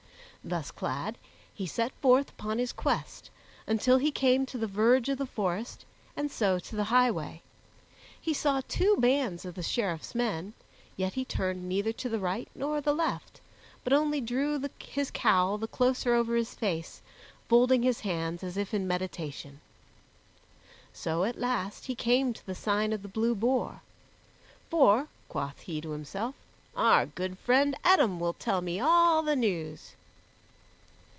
Thus clad, he set forth upon his quest, until he came to the verge of the forest, and so to the highway. He saw two bands of the Sheriff's men, yet he turned neither to the right nor the left, but only drew his cowl the closer over his face, folding his hands as if in meditation. So at last he came to the Sign of the Blue Boar. "For," quoth he to himself, "our good friend Eadom will tell me all the news."